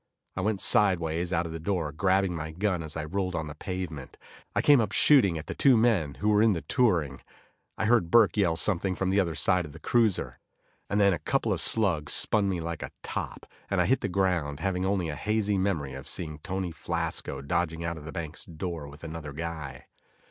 I went sideways out of the door, grabbing my gun as I rolled on the pavement. I came up shooting at the two men who were in the touring. I heard Burke yell something from the other side of the cruiser. And then a couple of slugs spun me like a top, and I hit the ground, having only a hazy memory of seeing Tony Flasco dodging out of the bank's door with another guy.